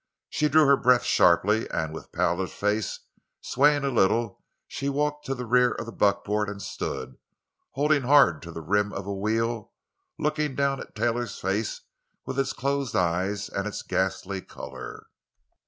She drew her breath sharply, and with pallid face, swaying a little, she walked to the rear of the buckboard and stood, holding hard to the rim of a wheel, looking down at Taylor's face with its closed eyes and its ghastly color.